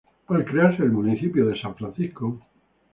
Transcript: Al crearse el municipio de San Francisco.